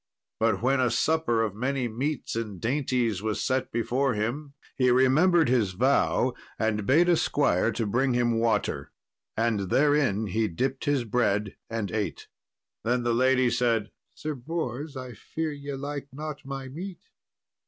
But when a supper of many meats and dainties was set before him, he remembered his vow, and bade a squire to bring him water, and therein he dipped his bread, and ate. Then said the lady, "Sir Bors, I fear ye like not my meat."